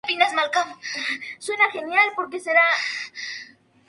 La cripta, del siglo X, comprende un deambulatorio rodeado de capillas.